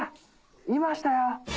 いましたよ。